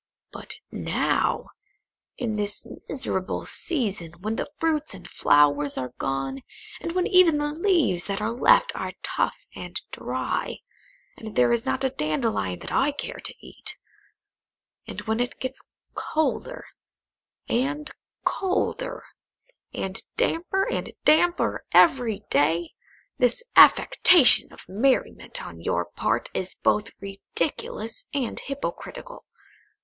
But now, in this miserable season, when the fruits and flowers are gone, and when even the leaves that are left are tough and dry, and there is not a dandelion that I care to eat; and when it gets colder and colder, and damper and damper every day, this affectation of merriment on your part is both ridiculous and hypocritical.